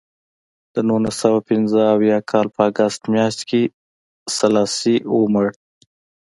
د نولس سوه پنځه اویا کال په اګست میاشت کې سلاسي ومړ.